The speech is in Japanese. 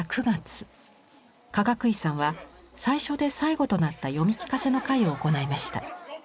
かがくいさんは最初で最後となった読み聞かせの会を行いました。